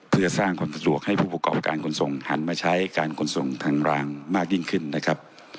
เพื่อสร้างความสะดวกให้ผู้ประกอบการขนส่งหันมาใช้การขนส่งทางรางมากยิ่งขึ้นนะครับ